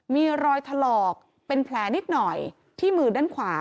มีรอยถลอกเป็นแผลนิดหน่อยที่มือด้านขวา